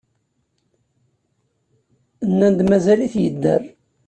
Nnan-d mazal-it yedder.